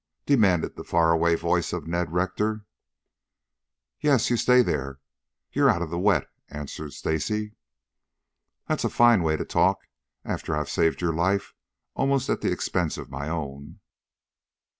demanded the far away voice of Ned Rector. "Yes, you stay there. You're out of the wet," answered Stacy. "That's a fine way to talk after I have saved your life almost at the expense of my own."